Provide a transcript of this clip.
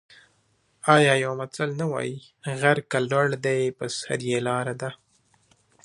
آیا یو متل نه وايي: غر که لوړ دی په سر یې لاره ده؟